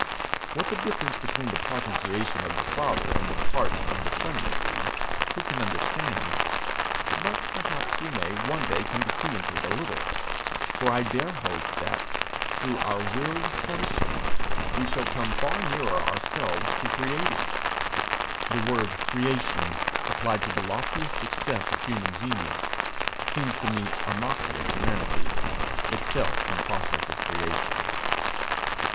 What the difference between the part in creation of the Father and the part of the Son may be, who can understand? but perhaps we may one day come to see into it a little; for I dare hope that, through our willed sonship, we shall come far nearer ourselves to creating. The word creation applied to the loftiest success of human genius, seems to me a mockery of humanity, itself in process of creation.